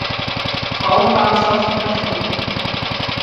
Frauen waren zwar zu verschonen.